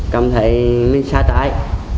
cảm thấy mình xa tải